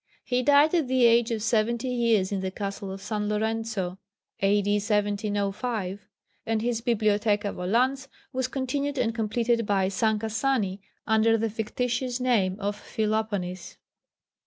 He died at the age of seventy years in the Castle of San Lorenzo, A.D. 1705, and his Bibliotheca volans was continued and completed by Sancassani under the fictitious name of Philoponis.